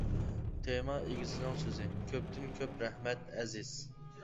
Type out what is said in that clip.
تېما ئىگىسىنىڭ سۆزى : كۆپتىن-كۆپ رەھمەت ئەزىز!